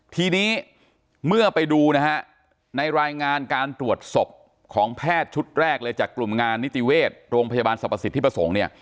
ทีนี้เมื่อไปดูนะฮะในรายงานการตรวจศพของแพทย์ชุดแรกเลยจากกลุ่มงานนิติเวชโรงพยาบาลสรรพสิทธิประสงค์เนี่ย